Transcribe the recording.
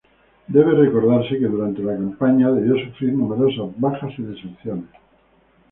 Debe recordarse que durante la campaña debió sufrir numerosas bajas y deserciones.